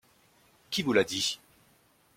Qui vous l’a dit ?